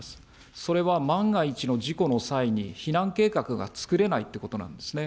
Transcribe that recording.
それは万が一の事故の際に、避難計画がつくれないっていうことなんですね。